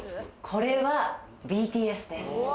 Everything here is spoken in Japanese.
これはＢＴＳです。